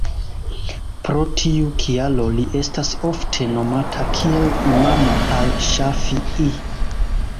Pro tiu kialo li estas ofte nomata kiel Imamo al-Ŝafi'i.